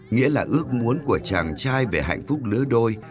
nghĩa là ước muốn của chàng trai về hạnh phúc lứa đôi